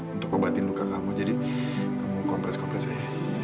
untuk obatin luka kamu jadi kamu kompres kompres saya